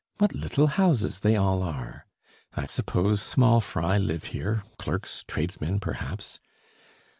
What little houses they all are! I suppose small fry live here, clerks, tradesmen, perhaps....